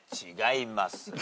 違います。